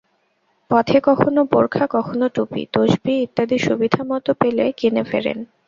পথে কখনো বোরকা কখনো টুপি, তসবিহ ইত্যাদি সুবিধামতো পেলে কিনে ফেরেন।